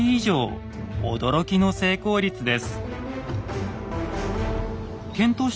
驚きの成功率です。